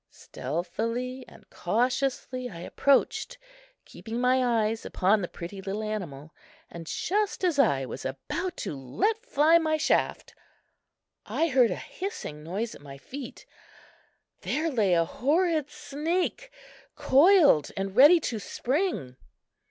Stealthily and cautiously I approached, keeping my eyes upon the pretty little animal, and just as I was about to let fly my shaft, I heard a hissing noise at my feet. There lay a horrid snake, coiled and ready to spring!